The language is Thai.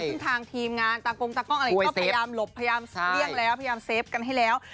ซึ่งทางทีมงานตากงตากล้องอะไรอย่างนี้ก็พยายามหลบพยายามเลี่ยงแล้วพยายามเซฟกันให้แล้ว